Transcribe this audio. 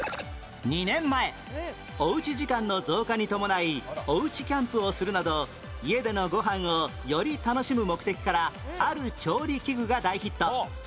２年前おうち時間の増加に伴いおうちキャンプをするなど家でのご飯をより楽しむ目的からある調理器具が大ヒット